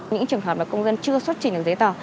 những trường hợp mà công dân chưa xuất trình được giấy tờ